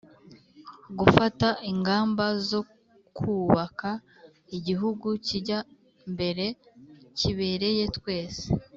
gufata ingamba zo kwubaka igihugu kijya mbere kibereye twese